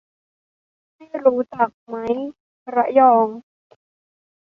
ไม่รู้จักไมค์ ระยอง